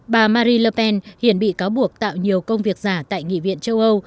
bà marine le pen hiện bị cáo buộc tạo nhiều công việc giả tại nghị viện châu âu